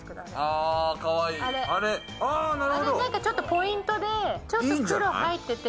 ポイントでちょっと黒入ってて。